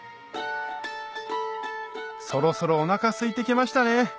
そろそろおなかすいてきましたね